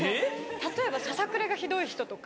例えばささくれがひどい人とか。